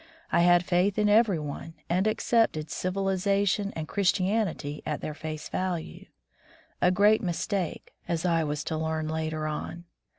I hati faith in every one, and accepted civilization and Christianity at their face value — a great mistake, as I was to learn later on.